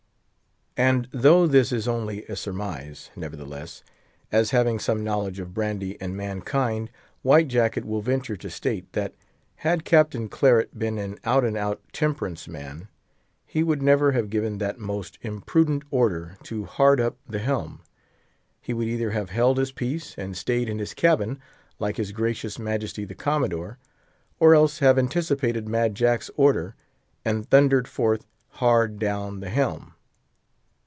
And though this is only a surmise, nevertheless, as having some knowledge of brandy and mankind, White Jacket will venture to state that, had Captain Claret been an out and out temperance man, he would never have given that most imprudent order to hard up the helm. He would either have held his peace, and stayed in his cabin, like his gracious majesty the Commodore, or else have anticipated Mad Jack's order, and thundered forth "Hard down the helm!"